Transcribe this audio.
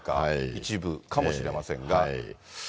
一部、かもしれませんが。